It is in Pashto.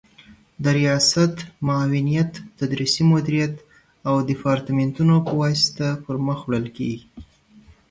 د ریاست، معاونیت، تدریسي مدیریت او دیپارتمنتونو په واسطه پر مخ وړل کیږي